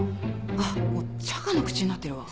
あっもうチャカの口になってるわ。